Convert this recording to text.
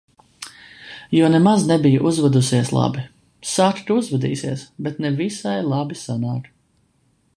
Jo nemaz nebija uzvedusies labi. Saka, ka uzvedīsies, bet ne visai labi sanāk.